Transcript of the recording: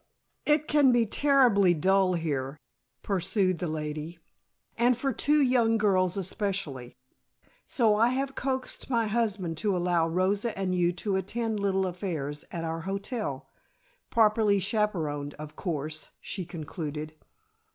"It can be terribly dull here," pursued the lady, "and for two young girls especially. So I have coaxed my husband to allow Rosa and you to attend little affairs at our hotel properly chaperoned, of course," she concluded.